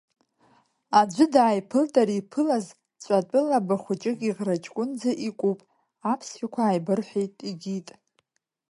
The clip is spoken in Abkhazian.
Аӡәы дааиԥылт, ари иԥылаз ҵәатәы лаба хәыҷык иӷраҷкәынӡа икуп, аԥсшәақәа ааибырҳәеит игьит.